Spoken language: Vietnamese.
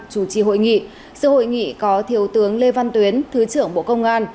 chủ trì hội nghị sự hội nghị có thiếu tướng lê văn tuyến thứ trưởng bộ công an